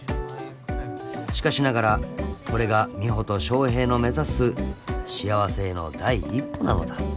［しかしながらこれが美帆と翔平の目指す幸せへの第一歩なのだ］